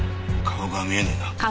顔が見えないな。